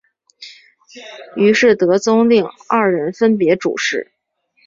于是德宗令二人分别主事。